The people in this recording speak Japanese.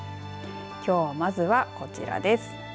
きょう、まずはこちらです。